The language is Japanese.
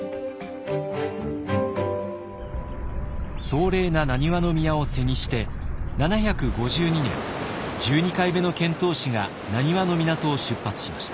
壮麗な難波宮を背にして７５２年１２回目の遣唐使が難波の港を出発しました。